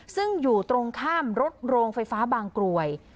ซึ่งอยู่ตรงข้ามรถโรงไฟฟ้าบางกรวย